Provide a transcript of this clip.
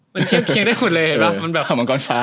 มันเทียบเคียงได้สุดเลยเห็นป่ะมันแบบมังกรฟ้า